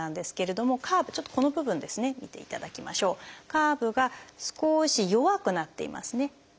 カーブが少し弱くなっていますね。